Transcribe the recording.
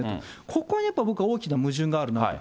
ここにやっぱり僕は大きな矛盾があるなと。